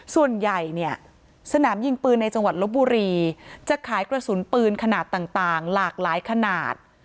ส่วนใหญ่เนี่ยสนามยิงปืนในจังหวัดลบบุรีจะขายกระสุนปืนขนาดต่างหลากหลายขนาด